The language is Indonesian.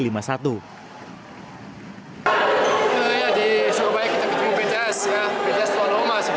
di surabaya kita ketemu bts bts tuan lomas